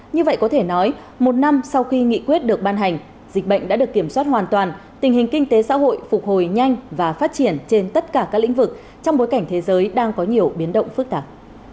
như vậy có thể nói một năm sau khi nghị quyết được ban hành dịch bệnh đã được kiểm soát hoàn toàn tình hình kinh tế xã hội phục hồi nhanh và phát triển trên tất cả các lĩnh vực trong bối cảnh thế giới đang có nhiều biến động phức tạp